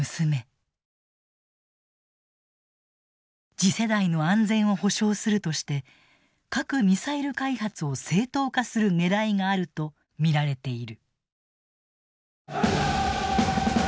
次世代の安全を保障するとして核・ミサイル開発を正当化するねらいがあると見られている。